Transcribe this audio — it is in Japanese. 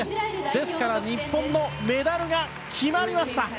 ですから日本のメダルが決まりました！